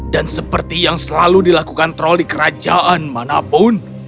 dan seperti yang selalu dilakukan troll di kerajaan manapun